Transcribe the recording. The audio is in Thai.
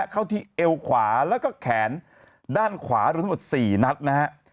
เข้าที่เอวขวาแล้วก็แขนด้านขวารวมทั้งหมด๔นัดนะฮะ